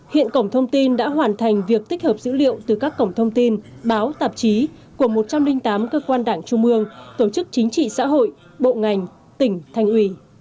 hiện cổng thông tin đã hoàn thành việc tích hợp dữ liệu từ các cổng thông tin báo tạp chí của một trăm linh tám cơ quan đảng trung ương tổ chức chính trị xã hội bộ ngành tỉnh thành ủy